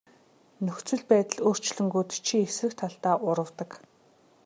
Нөхцөл байдал өөрчлөгдөнгүүт чи эсрэг талдаа урвадаг.